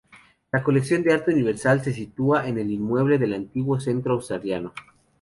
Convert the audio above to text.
La colección de arte universal se sitúa en el inmueble del antiguo Centro Asturiano.